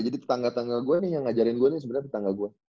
jadi tetangga tetangga gua nih yang ngajarin gua nih sebenarnya tetangga gua